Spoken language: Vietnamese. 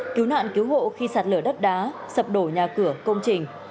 cứu nạn cứu hộ khi sạt lở đất đá sập đổ nhà cửa công trình